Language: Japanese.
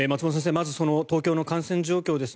まず東京の感染状況です。